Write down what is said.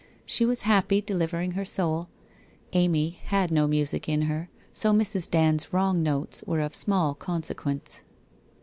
She was happy, delivering her soul. Amy had no music in her, so Mrs. Dand's wrong notes were of small consequence.